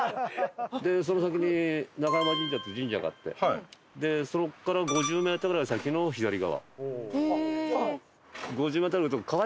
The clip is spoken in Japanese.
でその先に中山神社っていう神社があってそこから５０メートルぐらい先の左側。